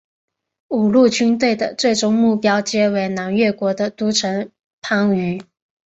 五路军队的最终目标皆为南越国的都城番禺。